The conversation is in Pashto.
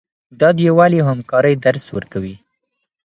دا د یووالي او همکارۍ درس ورکوي.